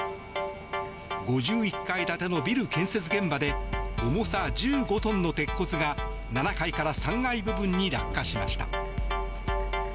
５１階建てのビル建設現場で重さ１５トンの鉄骨が７階から３階部分に落下しました。